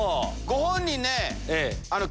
ご本人ね。